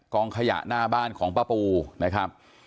ขยะหน้าบ้านของป้าปูนะครับ